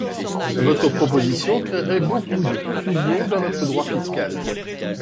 Votre proposition créerait beaucoup de confusion dans notre droit fiscal.